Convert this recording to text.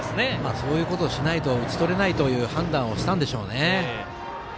そういうことをしないと打ち取れないと判断したんでしょうね。